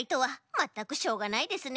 まったくしょうがないですね。